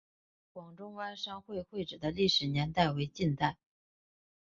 广州湾商会会址的历史年代为近代。